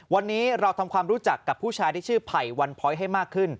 วันนี้เราทำความรู้จักกับผู้ชายที่ชื่อไผ่วันพ้อยให้มากขึ้น